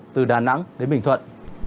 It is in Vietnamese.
từ đà nẵng đến bình thuận